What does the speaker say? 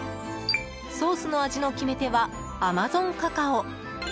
ソースの味の決め手はアマゾンカカオ。